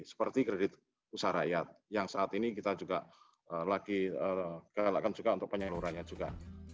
seperti kredit usaha rakyat yang saat ini kita juga lagi kelakkan juga untuk penyalurannya juga